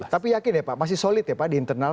tapi yakin ya pak masih solid ya pak di internal